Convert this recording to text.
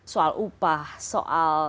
soal upah soal